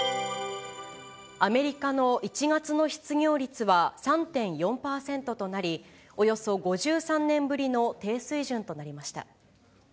アメリカの１月の失業率は３．４％となり、およそ５３年ぶりの低水準となりました。